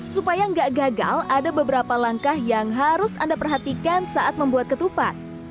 supaya nggak gagal ada beberapa langkah yang harus anda perhatikan saat membuat ketupat